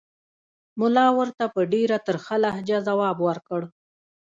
ملا ورته په ډېره ترخه لهجه ځواب ورکړ.